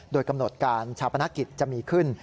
โดยกำหนดการชาปนกิจจะมีขึ้น